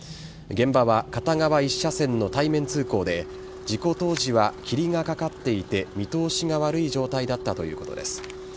現場は片側１車線の対面通行で事故当時は霧がかかっていて見通しが悪い状態だったということです。